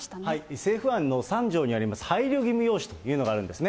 政府案の３条にあります、配慮義務要旨というのがあるんですね。